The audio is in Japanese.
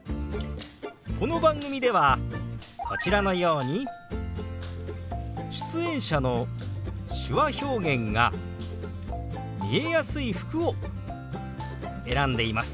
この番組ではこちらのように出演者の手話表現が見えやすい服を選んでいます。